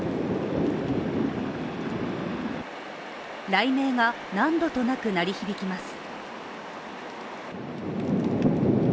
雷鳴が何度となく鳴り響きます。